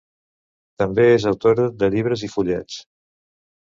També és autora de llibres i fullets.